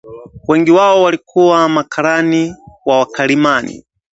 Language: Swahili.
Wengi wao walikuwa makarani wa wakalimani